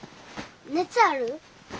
熱ある？